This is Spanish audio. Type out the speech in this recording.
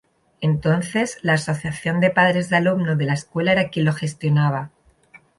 Entonces, la Asociación de Padres de Alumnos de la escuela era quien lo gestionaba.